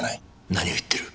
何を言ってる？